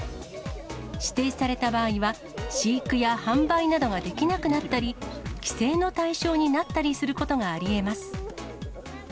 指定された場合は、飼育や販売などができなくなったり、規制の対象になったりすることがありえます。